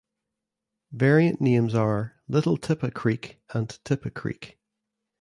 Variant names are "Little Tippah Creek" and "Tippah Creek".